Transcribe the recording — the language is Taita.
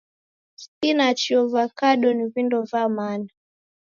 Spinachi, ovakado, ni vindo va mana.